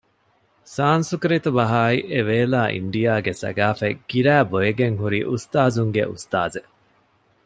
ސާންސުކުރިތުބަހާއި އެވޭލާ އިންޑިއާގެ ސަގާފަތް ގިރައިބޮއިގެން ހުރި އުސްތާޒުންގެ އުސްތާޒެއް